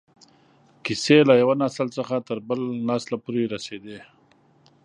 کیسې له یو نسل څخه تر بل نسله پورې رسېدې.